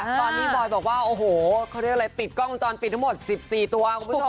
ตอนนี้บอยบอกว่าติดกล้องกำจรปิดทั้งหมด๑๔ตัว